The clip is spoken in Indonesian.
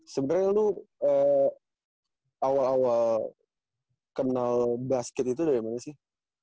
sebenarnya lu awal awal kenal basket itu dari mana sih